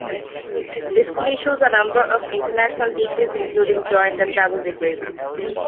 The school issues a number of international degrees, including joint and double degrees.